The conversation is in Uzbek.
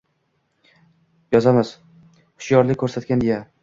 Yozamiz: «Hushyorlik ko’rsatgan», deya.